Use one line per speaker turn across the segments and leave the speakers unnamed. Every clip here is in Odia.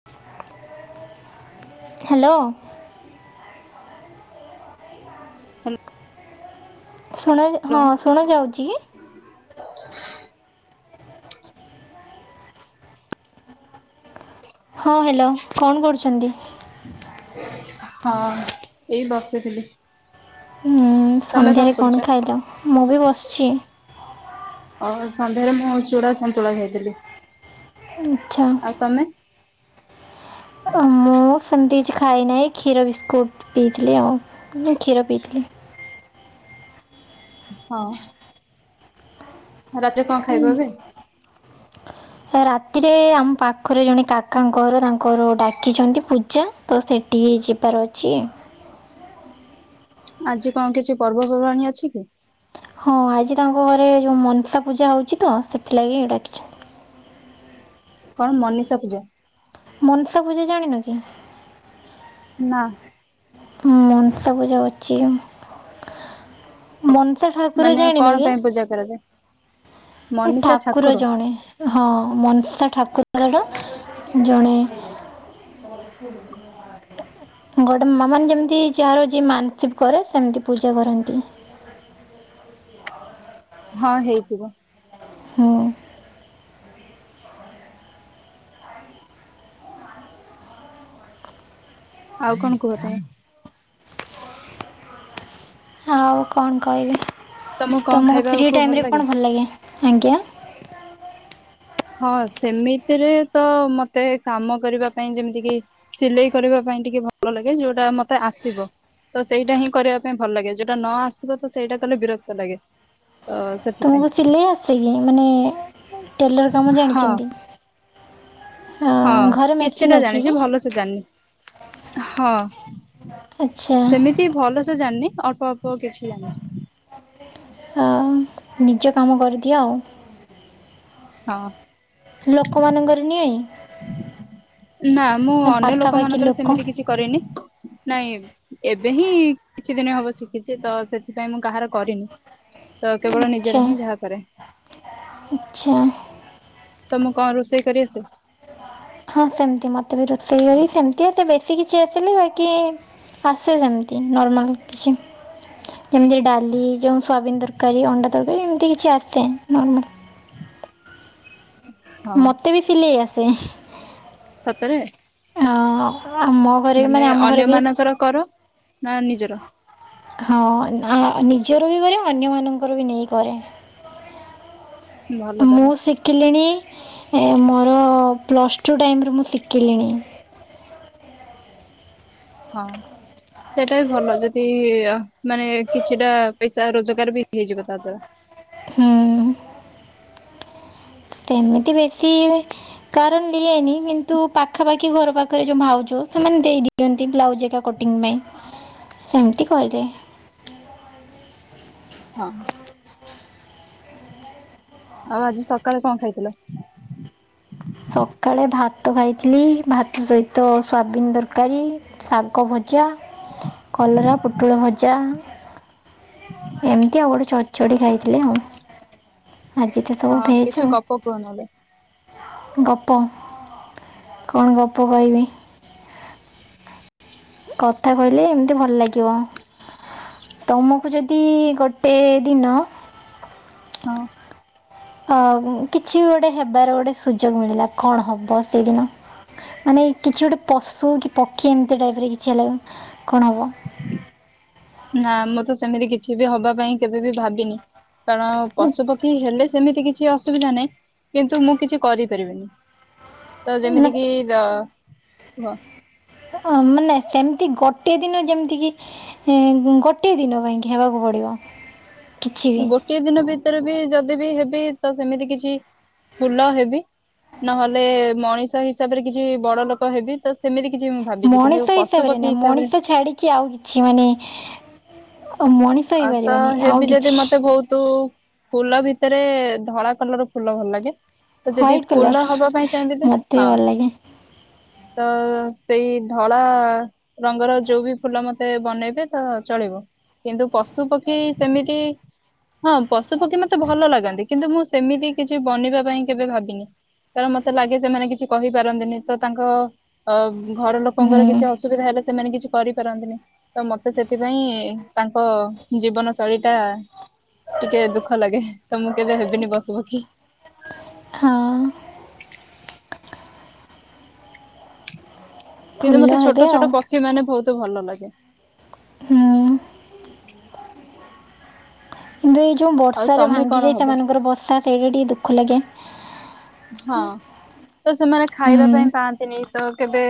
[inaudible] ହ୍ୟାଲୋ।
ହଲ୍
ଶୁଣା ଯା ହଁ ଶୁଣାଯାଉଚି କି? ହଁ ହ୍ୟାଲୋ କଣ କରୁଚନ୍ତି?
ହଁ ଏଇ ବସିଥିଲି।
ହମ୍
ତମେ
ସନ୍ଧ୍ୟାରେ
କରୁଛ?
କଣ ଖାଇଲ ମୁଁ ବି ବସିଚି।
ଅ ସନ୍ଧ୍ୟାରେ ମୁଁ ଚୂଡ଼ା ସନ୍ତୁଳା ଖାଇଥିଲି।
ଆଚ୍ଛା।
ଆଉ ତମେ?
ମୁଁ ସେମିତି କିଛି ଖାଇନାହିଁ କ୍ଷୀର ବିସ୍କୁଟ ପିଇଥିଲି ଆଉ ମୁ କ୍ଷୀର ପିଇଥିଲି।
ହଁ। ରାତିରେ କଣ
ହୁଁ।
ଖାଇବ ଏବେ?
ରାତିରେ ଆମ ପାଖରେ ଜଣେ କାକାଙ୍କର ତାଙ୍କର ଡାକିଚନ୍ତି ପୂଜା ତ ସେଟିକି ଯିବାର ଅଛି।
ଆଜି କଣ କିଛି ପର୍ବପର୍ବାଣୀ ଅଛି କି?
ହଁ ଆଜି ତାଙ୍କ ଘରେ ଯୋଉ ମନତା ପୂଜା ହଉଛି ତ ସେଥିଲାଗି ଡାକିଚନ୍ତି।
କଣ ମନୀଷା ପୂଜା?
ମନଷା ପୂଜା ଜାଣିନ କି?
ନାଁ।
ମନସା ପୂଜା ଅଛି ମନସା ଠାକୁର
ମାନେ କଣ
ଜାଣିନ କି?
ପାଇଁ ପୂଜା କରାଯାଏ।
ଏ ଠାକୁର ଜଣେ। ହଁ ମନଷା ଠାକୁରଟା ଜଣେ ଗୋଟେ ମ ମାମ ମାନେ ଯେମିତି ଯାହାର ଯିଏ ମାନସିକ କରେ ସେମିତି ପୂଜା କରନ୍ତି।
ହଁ ହେଇଯିବ।
ହୁଁ।
ଆଉ କଣ କୁହ ତବେ?
ଆଉ କଣ କହିବି ତମକୁ ଫ୍ରି ଟାଇମ୍ରେ କଣ ଭଲ ଲାଗେ ଆଜ୍ଞା।
ହଁ ସେମିତିରେ ତ ମତେ କାମ କରିବା ପାଇଁ ଯେମିତି କି ସିଲେଇ କରିବା ପାଇଁ ଟିକେ ଭଲ ଲାଗେ ଯୋଉଟା ମତେ ଆସିବ। ତ ସେଇଟା ହିଁ କରିବା ପାଇଁ ଭଲ ଲାଗେ ଯୋଉଟା ନ ଆସିବ ତ ସେଇଟା କଲେ ବିରକ୍ତ ଲାଗେ ତ ସେଥିପାଇଁ।
ତମକୁ ସିଲେଇ ଆସେ କି ମାନେ ଟେଲର କାମ
ହଁ
ଜାଣିଛନ୍ତି?
ହଁ
ଅଁ, ଘରେ ମେସିନ୍
କିଛିଟା
ଅଛି
ଜାଣିଚି
କି?
ଭଲ ସେ ଜାଣିନି ହଁ।
ଆଚ୍ଛା।
କିଛି ଭଲସେ ଜାଣିନି ଅଳ୍ପ ଅଳ୍ପ କିଛି ଜାଣିଚି।
ହଁ ନିଜ କାମ କରିଦିଅ ଆଉ।
ହଁ
ଲୋକମାନଙ୍କର ନିଏନି।
ନା ମୁଁ ଅନ୍ୟ ଲୋକ ମାନଙ୍କର ସେମିତି କିଛି କରିନି। ନାଇଁ ଏବେ ହିଁ କିଛି ଦିନ ହବ ଶିଖିଛି ତ ସେଥିପାଇଁ ମୁଁ କାହାର କରିନି। ତ କେବଳ ନିଜର ହିଁ ଯାହା କରେ।
କିଛି ନାହିଁ।
ତମକୁ କଣ ରୋଷେଇ କରି ଆସେ?
ହଁ ସେମତି ମତେ ବି ରୋଷେଇ ସେମିତି ଏ ବେଶୀ କିଛି ଆସିନି ବା କି ଆସେ ସେମିତି ନର୍ମାଲ କିଛି। ଯେମିତି ଡାଲି ଯଉ ସୋୟାବିିନ ତରକାରୀ ଅଣ୍ଡା ତରକାରୀ ଏମିତି କିଛି ଆସେନର୍ମାଲ।
ହଁ।
ମୋତେ ବି ସିଲେଇ ଆସେ।
ସତରେ।
ହଁ ଆମ
ମାନେ
ଘରେ
ଅନ୍ୟ
ବି
ମାନଙ୍କର କର ନା ନିଜର?
ହଁ ନିଜର ବି କରେ ଅନ୍ୟ ମାନଙ୍କର ବି ନେଇ କରେ।
ଭଲ
ମୁଁ
ତାହେଲେ
ଶିଖିଲିଣି ଏ ମୋର ପ୍ଲସ୍ ଟୁ ଟାଇମ୍ରେ ମୁଁ ଶିଖିଲିଣି।
ହଁ ସେଇଟା ବି ଭଲ ଯଦି ମାନେ କିଛିଟା ପଇସା ରୋଜଗାର ବି ହେଇଯିବ ତା ଦ୍ଵାରା।
ହୁଁଉଁ। ସେମିତି ବେଶୀ [unintelligible] କାର ନିଏ ନି କିନ୍ତୁ ପାଖାପାଖି ଘର ପାଖରେ ଯୋଉ ଭାଉଛ ସେମାନେ ଦେଇ ଦିଅନ୍ତି ବ୍ଲାଉଜ। ଜାଗା କଟିଙ୍ଗ ପାଇଁ ସେମିତି କରିଦିଏ।
ହଁ ଆଉ ଆଜି ସକାଳେ କଣ ଖାଇଥିଲ?
ସକାଳେ ଭାତ ଖାଇଥିଲି ଭାତ ସହିତ ସୋୟାବିନ ଦରକାରୀ ଶାଗ ଭ ଭଜା କଲରା ପୋଟଳ ଭଜା।
ହଁ [unintelligible]
ଏମିତି ଆଉ ଗୋଟେ ଚଡ଼ଚଡି ଖାଇଥିଲି ଆଉ। ଆଜି ତ ସବୁ
ହଁ କିଛି
ଭେଜଆଉ।
ଗପ କୁହ ନହେଲେ
ଗପ କଣ ଗପ କହିବି? କଥା କହିଲେ ଏମିତି ଭଲ ଲାଗିବ। ତମକୁ ଯଦି ଗୋଟେ ଦିନ
ହଁ
ଅ କିଛି ବି ଗୋଟେ ହେବାର ଗୋଟେ ସୁଯୋଗ ମିଳିଲା। କଣ ହବ ସେଇଦିନ? ମାନେ କିଛି ଗୋଟେ ପଶୁ କି ପକ୍ଷୀ ଏମିତି ଟାଇପ ରେ କିଛି ହେଲା କଣ ହବ?
ନା ମୁଁ ତ ସେମିତି କିଛି ବି ହବା ପାଇଁ କେବେ ବି ଭାବିନି। କାରଣ ପଶୁପକ୍ଷୀ ହେଲେ ସେମିତି କିଛି କିଛି ଅସୁବିଧା ନାହିଁ କିନ୍ତୁ ମୁଁ କିଛି କରିପାରିବିନି। ତ ଯେମିତି
ନା-
କି ର ହୁହ [unintelligible]
ଅ ମାନେ ସେମିତି ଗୋଟେ ଦିନ ଯେମିତି କି ଏଁ ଗୋଟିଏ ଦିନ ପାଇଁ କି ହେବାକୁ ପଡିବ।
ଗୋଟଏ ଦିନ ଭିତରେ ବି ଯଦି ବି ହେବି ତ ସେମିତି କିଛି ଫୁଲ ହେବି ନହେଲେ ମଣିଷ ହିସାବରେ କିଛି ବଡ ଲୋକ ହେବି। ତ ସେମିତି କିଛି ମୁଁ ଭାବିଛି କିନ୍ତୁ ପଶୁପତି ହିସାବରେ
କି ଆଉ କିଛି ମାନେ ମଣି
ଆଉ ତ ହେବି ଯଦି ମତେ ବହୁତ ଫୁଲ ଭିତରେ ଧଳା କଲର ଫୁଲ ଭଲ ଲାଗେ। ତ ଯଦି
ହ୍ୱାଇଟ୍ କଲର୍
ଫୁଲ ହବା ପାଇଁ [unintelligible]
ମୋତେ
ହଁ।
ଭଲ ଲାଗେ
ତ ସେଇ ଧଳା ରଙ୍ଗର ଯୋଉ ବି ଫୁଲ ମତେ ବନେଇବେ ତ ଚଳିବ କିନ୍ତୁ ପଶୁ ପକ୍ଷୀ ସେମିତି ହଁ ପଶୁ ପକ୍ଷୀ ମତେ ଭଲ ଲାଗନ୍ତି କିନ୍ତୁ ମୁଁ ସେମିତି କିଛି ବନିବା ପାଇଁ କେବେ ଭାବିନି। କାରଣ ମତେ ଲାଗେ ସେମାନେ କିଛି କହିପାରନ୍ତିନି ତ ତାଙ୍କ ଅ ଘର
ହୁଁ
ଲୋକଙ୍କର କିଛି ଅସୁବିଧା ହେଲେ ସେମାନେ କିଛି କରିପାରନ୍ତିନି ତ ମତେ ସେଥିପାଇଁ ତାଙ୍କ ଜୀବନ ଶୈଳୀ ଟା ଟିକେ ଦୁଃଖ ଲାଗେ ତ ମୁଁ କେବେ ହେବିନି ପଶୁ ପକ୍ଷୀ।
ହଁ।
କିନ୍ତୁ
ଫୁଲ
ମତେ
ହେବେ
ଛୋଟ
ଆଉ
ଛୋଟ ପକ୍ଷୀ ମାନେ ବହୁତ ଭଲ ଲାଗେ।
ହୁଁ। କିନ୍ତୁ ଏଇ ଯେଉଁ
ଆଉ
ବର୍ଷାରେ
ତମେ କଣ
ଭାଙ୍ଗିଯାଏ
ହବ
ସେମାନଙ୍କର ବସା ସେଇଟା ଟିକେ ଦୁଃଖ ଲାଗେ।
ହଁ ତ ସେମାନେ ଖାଇବା
ହୁଁ
ପାଇଁ ପାଆନ୍ତିନି ତ କେବେ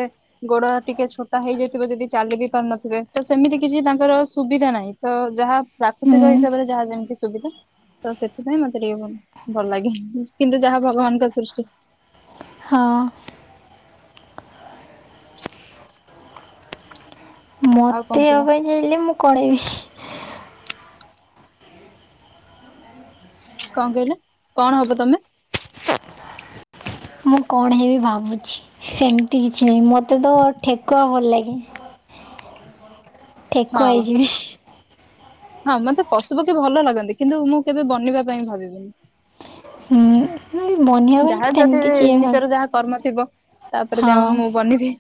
ଗୋଡ ଟିକେ ଛୋଟା ହେଇଯାଇଥିବ ଯଦି ଚାଲି ବି ପାରୁନଥିବେ ତ ସେମିତି କିଛି ତାଙ୍କର ସୁବିଧା ନାହିଁ ତ ଯାହା
ହୁଁ
ପ୍ରାକୃତିକ ହିସାବରେ ଯାହା ଯେମିତି ସୁବିଧା। ତ ସେଥିପାଇଁ ମତେ ଟିକେ ଭଲ ଲାଗେ କିନ୍ତୁ ଯାହା ଭଗବାନଙ୍କ ସୃଷ୍ଟି।
ହଁ।
ଆଉ! କଣ
ଦେହବା
କୁହ
ପାଇଁ ଯାଇଲେ ମୁଁ କେଇବି [unintelligible]
କଣ କହିଲେ, କଣ ହବ ତମେ?
ମୁଁ କଣ ହେବି ଭାବୁଛି। ସେମିତି କିଛି ନାହିଁ ମୋତେ ତ ଠେକୁଆ ଭଲ ଲାଗେ।
ହଁ
ଠେକୁଆ ହେଇଯିବି।
ହଁ ମତେ ପଶୁ ପକ୍ଷୀ ଭଲ ଲାଗନ୍ତି କିନ୍ତୁ ମୁଁ କେବେ ବନିବା ପାଇଁ ଭାବିବିନି।
ହୁଁ ମନି [unintelligible]
ଯାହାର ଯଦି ନିଜର ଯାହା କର୍ମ ଥିବ ତାପରେ ଯାହା
ହଁ
ମୁଁ ବନିବି।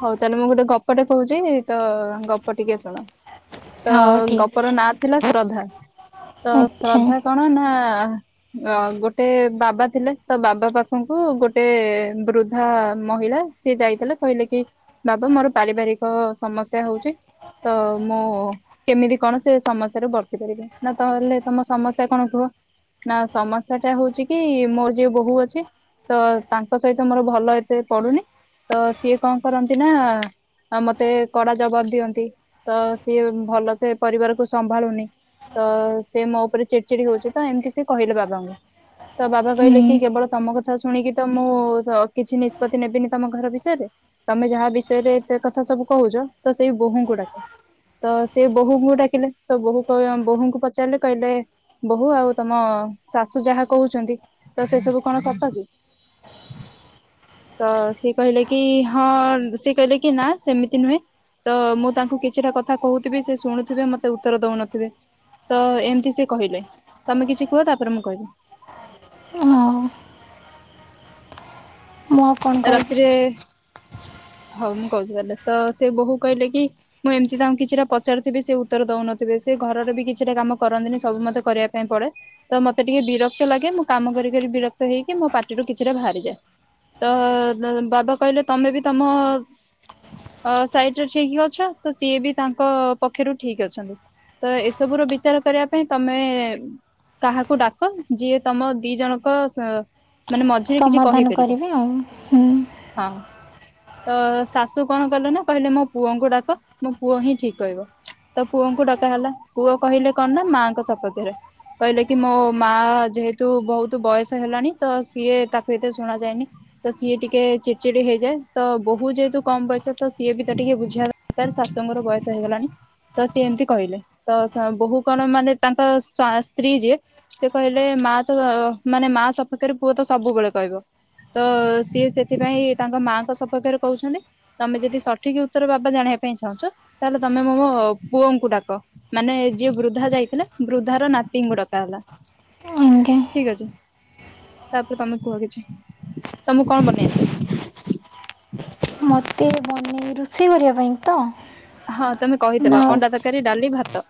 ହଉ ତାହେଲେ ମୁଁ ଗୋଟେ ଗପଟେ କହୁଛିି ତ ଗପ ଟିକେ ଶୁଣ। ତ
ହଉ ଠିକ୍
ଗପର ନାଁ ଥିଲା
ଅଛି।
ଶ୍ରଦ୍ଧା ତ
ଆଚ୍ଛା
ଶ୍ରଦ୍ଧା କଣ ନା ଅ ଗୋଟେ ବାବା ଥିଲେ ତ ବାବା ପାଖକୁ ଗୋଟେ ବୃଦ୍ଧା ମହିଳା ସିଏ ଯାଇଥିଲେ କହିଲେ କି ବାବା ମୋର ପାରିବାରିକ ସମସ୍ୟା ହଉଚି। ତ ମୁଁ କେମିତି କଣ ସେ ସମସ୍ୟାରୁୁ ବର୍ତ୍ତି ପାରିବେ, ନା ତାହେଲେ ତମ ସମସଯ୍ୟା କଣ କୁହ? ନା ସମସ୍ୟା ଟା ହଉଛି କି ମୋର ଯୋଉ ବୋହୂ ଅଛି ତ ତାଙ୍କ ସହିତ ମୋର ଭଲ ଏତେ ପଡୁନି ତ ସିଏ କଣ କରନ୍ତି ନା ଆ ମତେ କଡା ଜବାବ ଦିଅନ୍ତି। ତ ସିଏ ଭଲ ସେେ ପରିବାର କ ସମ୍ଭାଳୁନି। ତ ସେ ମୋ ଉପରେ ଚିଡି ଚିଡି ହଉଛି ତ ଏମିତି ସେ କହିଲେ ବାବାଙ୍କୁ। ତ ବାବା
ହୁଁ
କହିଲେ କି କେବଳ ତମ କଥା ଶୁଣିକି ତ ମୁଁ କିଛି ନିଷ୍ପତ୍ତି ନେବିନି ତମ ଘର ବିଷୟରେ। ତମେ ଯାହା ବିଷୟରେ ଏତେ କଥା ସବୁ କହୁଛ ତ ସେଇ ବୋହୂ ଙ୍କୁ ଡାକ। ତ ସେ ବୋହୂଙ୍କୁ ଡାକିଲେ, ତ ବୋହୂ କଇଆ ବୋହୂଙ୍କୁ ପଚାରିଲେ କଇଲେ ବୋହୂ ଆଉ ତମ ଶାଶୁ ଯାହା କହୁଛନ୍ତି ତ ସେ ସବୁ କଣ ସତ କି? ତ ସିଏ କହିଲେ କି ହଁ, ସିଏ କଇଲେ କି ନା ସେମିତି ନୁହେଁ ତ ମୁଁ ତାଙ୍କୁ କିଛିଟା କଥା କୋହୁଥିବି ସେ ଶୁଣୁଥିବେ ମତେ ଉତ୍ତର ଦଉନଥିବେ। ତ ଏମତି ସେ କହିଲେ, ତମେ କିଛି କୁଅ ତାପରେ ମୁଁ କହିବି।
ହଉ ମୁଁ ଆଉ କଣ କହିବି
ରାତିରେ
ଯେ?
ହଉ ମୁଁ କୋଉଚି ତାହେଲେ ତ ସେ ବୋହୁକୁ କହିଲେ କି ମୁଁ ଏମିତି ତାଙ୍କୁ କିଛିଟା ପଚାରୁଥିବି ସେ ଉତ୍ତର ଦଉନଥିବେ, ସେ ଘରର ବି କିଛିଟା କାମ କରନ୍ତିନି ସବୁ ମତେ କରିବା ପାଇଁ ପଡେ। ତ ମତେ ଟିକେ ବିରକ୍ତ ଲାଗେ ମୁଁ କାମ କରି କରି ବିରକ୍ତ ହେଇକି ମୋ ପାଟିରୁ କିଛିଟା ଭାଆରିଯାଏ। ତଅ ତ ବାବା କଇଲେ ତମେ ବି ତମ ଅ ଅ ସାଇଟ୍ ରେ ଠିକି ଅଛ ତ ସିଏ ବି ତାଙ୍କ ପକ୍ଷରୁ ଠିକ୍ ଅଛନ୍ତି। ତ ଏସବୁ ର ବିଚାର କରିଆ ପାଇଁ ତମେ କାହାକୁ ଡାକ ଯିଏ ତମ ଦି ଜଣଙ୍କ ସ ମାନେ ମଝିରେ କିଛି
ସମାଧାନ
କହିପାରିବ।
କରିବି ଆଉ ହୁଁ
ହଁଅଁ ତ ଶାଶୁ କଣ କଲେ ନା କହିଲେ ମୋ ପୁଅଙ୍କୁ ଡାକ ମୋ ପୁଅ ହିଁ ଠିକ୍ କହିବ। ତ ପୁଅଙ୍କୁ ଡକା ହେଲା ପୁଅ କହିଲେ କଣ ନା ମାଙ୍କ ସପକ୍ଷରେ। କହିଲେ କି ମୋ ମା ଯେହେତୁ ବୋହୁତୁ ବୟସ ହେଲାଣି ତ ସିଏ ତାକୁ ଏତେ ଶୁଣା ଯାଏନି। ତ ସିଏ ଟିକେ ଚିଡଚିଡି ହେଇଯାଏ। ତ ବୋହୁ ଯେହେତୁ କମ୍ ବୟସ ତ ସିଏ ବି ତ ଟିକେ ବୁଝିବା ଦରକାର ଶାଶୁଙ୍କର ବୟସ ହେଇଗଲାଣି। ତ ସିଏ ଏମତି କହିଲେ, ତ ସ ବୋହୁ କଣ ମାନେ ତାଙ୍କ ସ୍ବା ସ୍ତ୍ରୀ ଯିଏ ସେ କହିଲେ ମା ତ ମାନେ ମା ସପକ୍ଷରେ ପୁଅ ତ ସବୁବେଳେ କହିବ। ତଅ ସିଏ ସେଥିପାଇଁ ତାଙ୍କ ମାଙ୍କ ସପକ୍ଷରେ କୋହୁଛନ୍ତି ତମେ ଯେଦି ସଠିକ ଉତ୍ତର ବାବା ଜାଣିଆ ପାଇଁ ଚାହୁଁଛ ତାହେଲେ ତମେ ମୋ ମୋ ପୁଅଙ୍କୁ ଡାକ। ମାନେ ଯିଏ ବୃଦ୍ଧା ଯାଇଥିଲା ବୃଦ୍ଧା ର ନାତିଙ୍କୁ ଡକା ହେଲା।
ଆଁଞା।
ଠିକ୍ ଅଛି, ତାପେରେ ତମେ କୁହ କିଛି ତମୁକୁ କଣ ବନେଇ ଆସେ?
ମତେ ବନେଇ ରୋଷେଇ କରିଆ ପାଇଁ ତ।
ହଁ ତମେ କହିଥିଲ ଅଣ୍ଡା ତରକାରୀ, ଡାଲି, ଭାତ।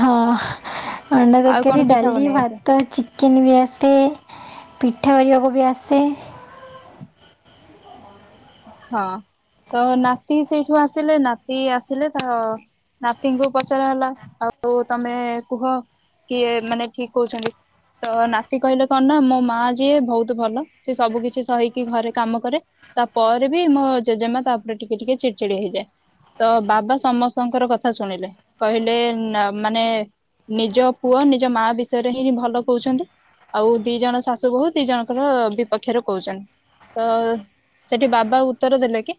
ହଁଅଁ ଅଣ୍ଡା
ଆଉ କଣ
ତରକାରୀ,
ପିଠା
ଡାଲି,
ବନେଇ ଆସେ?
ଭାତ, ଚି କେନ୍ ବି ଆସେ ପିଠା କରିବାକୁ ବି ଆସେ।
ହଁଅଁ ତ ନାତି ସେଇଠୁ ଆସିଲେ ନାତି ଆସିଲେ ତ ନାତିଙ୍କୁ ପଚରା ହେଲା, ଆଉ ତମେ କୁହ କିଏ ମାନେ ଠିକ କହୁଛନ୍ତି? ତ ନାତି କହିଲେ କଣ ନା ମୋ ମା ଯିଏ ଭୋଉତୁ ଭଲ। ସିଏ ସବୁ କିଛି ସହିକି ଘରେ କାମ କରେ। ତାପରେ ବି ମୋ ଜେଜେମା ତା ଓପରେ ଟିକେ ଟିକେ ଚିଡଚିଡି ହେଇଯାଏ। ତ ବାବା ସମସ୍ତଙ୍କର କଥା ଶୁଣିଲେ କହିଲେ ନା ମାନେ ନିଜ ପୁଅ ନିଜ ମା ବିଷୟରେହି ହିଁ ଭଲ କୋହୁଛନ୍ତି। ଆଉ ଦି ଜଣ ଶାଶୁ ବୋହୁ ଦି ଜଣଙ୍କର ବିପକ୍ଷରେ କୋଉଚନ୍ତି। ତ ସେଠି ବାବା ଉତ୍ତର ଦେଲେ କି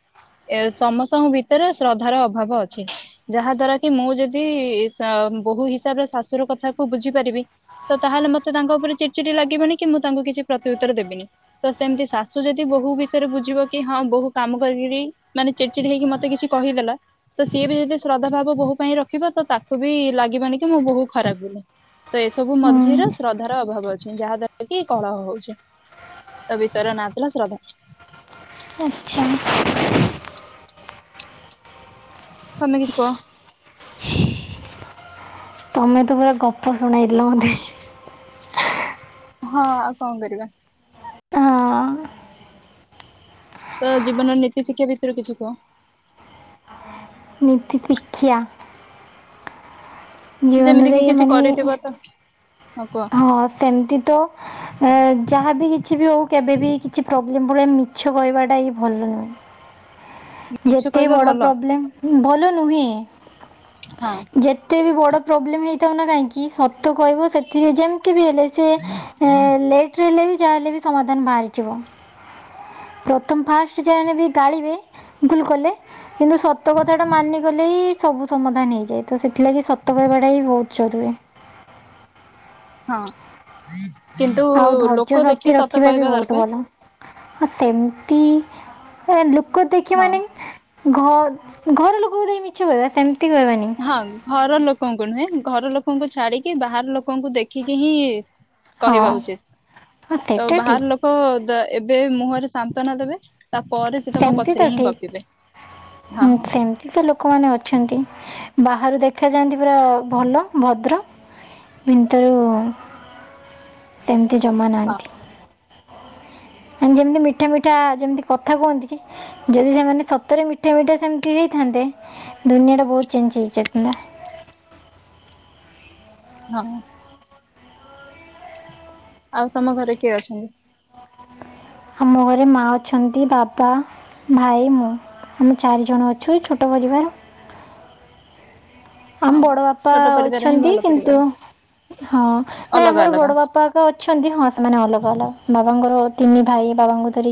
ଏ ସମସ୍ତଙ୍କ ଭିତେରେ ଶ୍ରଦ୍ଧାର ଅଭାବ ଅଛି। ଯାହା ଦ୍ଵାରା କି ମୁଁ ଯଦି ସା ବୋହୂ ହିସାବରେ ଶାଶୁର କଥାକୁ ବୁଝି ପାରିବି ତ ତାହେଲେ ମତେ ତାଙ୍କ ଓପେରେ ଚିଡଚିଡି ଲାଗିବନି କି ମୁଁ ତାଙ୍କୁ କିଛି ପ୍ରତିଉତ୍ତର ଦେବିନି। ତ ସେମତି ଶାଶୁ ଯଦି ବୋହୁ ବିଷୟରେ ବୁଝିବ କି ହଁ ବୋହୁ କାମ କରିକିରି ମାନେ ଚିଡଚିଡି ହେଇକି ମତେ କିଛି କହିଦେଲା। ତ ସିଏ ବି ଯଦି ଶ୍ରଦ୍ଧା ଭାବ ବୋହୁ ପାଇଁ ରଖିବ ତ ତାକୁ ବି ଲାଗିବନି କି ମୁଁ ବୋହୁ ଖରାପ୍ ବୋଲି। ତ ଏସବୁ
ହୁଁ
ମଝିରେ ଶ୍ରଦ୍ଧାର ଅଭାବ ଅଛି। ଯାହା ଦ୍ଵାରା କି କଳହ ହୋଉଛି, ତ ବିଷୟର ନାଁ ଥିଲା ଶ୍ରଦ୍ଧା।
ଆଚ୍ଛା [unintelligible]
ତମେ କିଛି କୁହ।
ତମେ ତ ପୁରା ଗପ ଶୁଣାଇଦେଲ ମତେ।
ହଁ ଆଉ କଁଅ କରିବା।
ହଁ
ତ ଜୀବନର ନୀତି ଶିକ୍ଷା ବିଷୟରେ କିଛି କୁହ?
ନୀତି ପିକ୍ଷା।
ଯେମିତି
ଜୀବନରେ
କି କିଛି
ମାନେ
କରିଥିବ ତ
ହଁ ସେମିତି ତ ଯାହାବି କିଛି ବି ହଉ କେବେବି କିଛି ପ୍ରୋବ୍ଲେମ ପରେ ମିଛ କହିବାଟା ହିଁ ଭଲ ନୁହେଁ।
ମିଛ
ଯେତେ ବି
କହିବା
ବଡ଼
ଭଲ
ପ୍ରୋବ୍ଲେମ୍ ହୋଉ ଭଲ ନୁହେଁ।
ହଁ।
ଯେତେ ବି ବଡ଼ ପ୍ରୋବ୍ଲେମ୍ ହେଇଥାଉ ନା କାହିଁକି ସତ କହିବ ସେଥିରେ ଯେମିତି ବି ହେଲେ। ସେ ଲେଟ୍ ଟ୍ରେ ହେଲେ ବି ଯାହାହେଲେ ବି ସମାଧାନ ବାହାରିଯିବ, ପ୍ରଥମ ଫାଷ୍ଟ୍ ଯାହେଲେ ବି ଗାଳିବେ। ଭୁଲ କଲେ କିନ୍ତୁ ସତ କଥାଟା ମାନିଗଲେ ହିଁ ସବୁ ସମାଧାନ ହେଇଯାଏ। ତ ସେଥିଲାଗି ସତ କହିବାଟା ହିଁ ବୋହୁତ୍ ଜରୁରୀ।
ହଁ କିନ୍ତୁ
ଆଉ
ଲୋକ ଦେଖି ସତ କହିବା ଦରକାର୍।
ଆ ସେମିତି ଲୋକ ଦେଖି
ହଁ।
ମାନେ? ଘ- ଘର ଲୋକକୁ ଯାଇ ମିଛ କହିବା ସେମିତି କହିବାନି।
ହଁ ଘର ଲୋକଙ୍କୁ ନୁହେଁ, ଘର ଲୋକଙ୍କୁ ଛାଡିକି ବାହାର ଲୋକଙ୍କୁ ଦେଖିକି ହିଁ
ହଁ
କହିବା ଉଚିତ୍
ହଁ
ତ
ସେଇଟା
ବାହାର
ଠିକ୍
ଲୋକ ଏବେ ମୁହଁରେ ସାନ୍ତନା ଦେବେ। ତାପରେ ସେ ତମ
ସେମିତି
ପଛରେ
ତ
ହିଁ
ଠିକ୍
ଗପିବେ।
ହୁଁ
ହଁ ହଁ
ସେମିତି ତ ଲୋକମାନେ ଅଛନ୍ତି। ବାହାରୁ ଦେଖାଯାଆନ୍ତି ପୁରା ଭଲ ଭଦ୍ର। ଭିତରୁ ଏମିତି ଜମା
ହଁ
ନାହାଁନ୍ତି। ଆ ଯେମିତି ମିଠା ମିଠା ଯେମିତି କଥା କୁହନ୍ତି କି ଯଦି ସେମାନେ ସତରେ ମିଠା ମିଠା ସେମିତି ହେଇଥାନ୍ତେ, ଦୁନିଆ ଟା ବୋହୁତ୍ ଚେଞ୍ଜ୍ ହେଇଥାନ୍ତା।
ହଁ। ଆଉ ତମ ଘରେ କିଏ ଅଛନ୍ତି?
ଆମ ଘରେ ମା ଅଛନ୍ତି ବାପା। ଭାଇ ମୁଁ, ଆମେ ଚାରି ଜଣ ଅଛୁ ଛୋଟ ପରିବାର। ଆମ
ହଁ
ବଡ ବାପା
ଛୋଟ ପରିବାର ହିଁ
ଅଛନ୍ତି
ଭଲ
କିନ୍ତୁ
ପରିବାର
ହଁ ନାଇଁ
ଅଲଗା
ଆମର
ଅଲଗା
ବଡ ବାପା। ହଁ ଅଛନ୍ତି ହଁ ସେମାନେ ଅଲଗା ଅଲଗା ବାବାଙ୍କର ତିନି ଭାଇ ବାବାଙ୍କୁ ଧରି